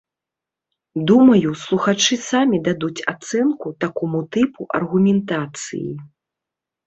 Думаю, слухачы самі дадуць ацэнку такому тыпу аргументацыі.